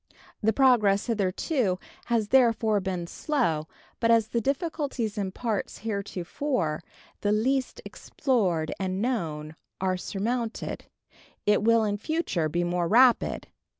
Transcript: The progress hitherto has therefore been slow; but as the difficulties in parts heretofore the least explored and known are surmounted, it will in future be more rapid.